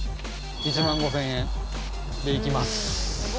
１万５０００円でいきます。